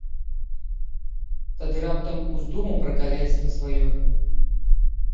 Тады раптам уздумаў пра калецтва сваё.